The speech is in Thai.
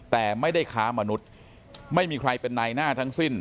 แต่ไม่ได้ค้ามนุษย์ไม่มีใครเป็นนายหน้าทั้งสิ้น